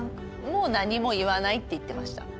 「もう何も言わない」って言ってました。